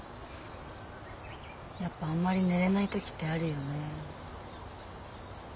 やっぱあんまり寝れない時ってあるよね。